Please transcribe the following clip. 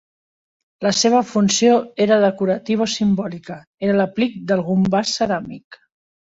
La seva funció era decorativa o simbòlica, era l'aplic d'algun vas ceràmic.